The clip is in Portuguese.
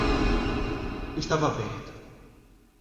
Estava aberto